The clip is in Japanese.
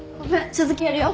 続きやるよ。